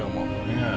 ねえ。